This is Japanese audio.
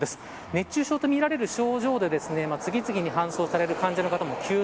熱中症とみられる症状で次々に搬送される患者の方